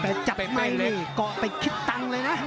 แต่จับไม้นี่ก่อไปคิดตังเลยนะ